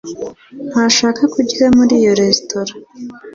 ntashaka kurya muri iyo resitora.